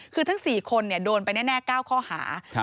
คือทั้ง๔คนโดนไปแน่๙ข้อหา